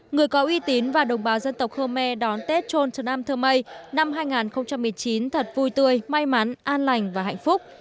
người có uy tín và đồng bào dân tộc khmer đón tết chôn trần nam thơ mây năm hai nghìn một mươi chín thật vui tươi may mắn an lành và hạnh phúc